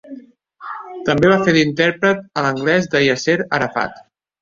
També va fer d'intèrpret a l'anglès de Yasser Arafat.